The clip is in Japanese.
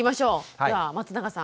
では松永さん。